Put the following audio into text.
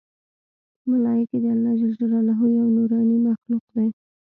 ملایکې د الله ج یو نورانې مخلوق دی